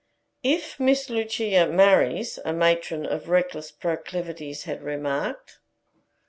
"If Miss Lucia marries" a matron of reckless proclivities had remarked.